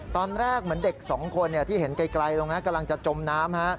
ตอนแรกเหมือนเด็กสองคนที่เห็นไกลลงนะกำลังจะจมน้ำ